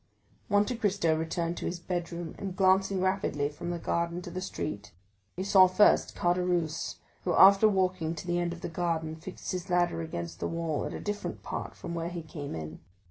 Monte Cristo returned to his bedroom, and, glancing rapidly from the garden to the street, he saw first Caderousse, who after walking to the end of the garden, fixed his ladder against the wall at a different part from where he came in.